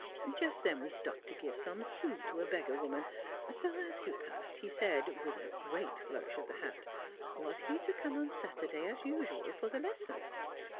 Just then we stopped to give some sous to a beggar woman, so as he passed he said, with a great flourish of the hat: Was he to come on Saturday as usual for the lesson?